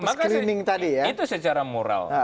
screening tadi ya itu secara moral